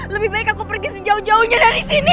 lebih baik aku pergi sejauh jauhnya dari sini